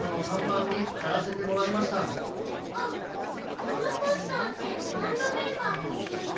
あっそのポスターってバンドメンバーぼしゅうの？